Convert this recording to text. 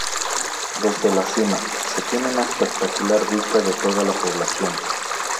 Desde la cima, se tiene una espectacular vista de toda la población.